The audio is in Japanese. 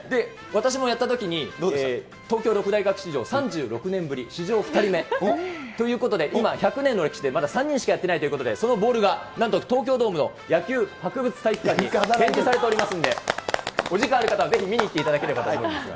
私もやったときに、東京６大学史上、３６年ぶり、史上２人目。ということで、今、１００年の歴史でまだ３人しかやってないということで、そのボールが、なんと東京ドームの野球博物体育館に展示されておりますので、お時間ある方、ぜひ見に行っていただければと思います。